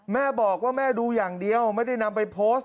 แม่บอกว่าแม่ดูอย่างเดียวไม่ได้นำไปโพสต์